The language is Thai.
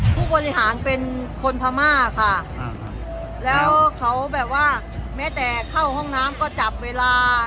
ผู้บริหารเป็นคนพม่าค่ะแล้วเขาแบบว่าแม้แต่เข้าห้องน้ำก็จับเวลา